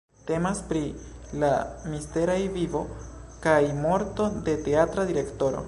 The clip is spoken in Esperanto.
Temas pri la misteraj vivo kaj morto de teatra direktoro.